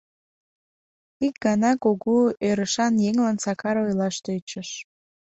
Ик гана кугу ӧрышан еҥлан Сакар ойлаш тӧчыш: